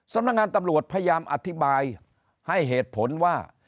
สำนักงานตำรวจพยายามอธิบายให้เหตุผลว่า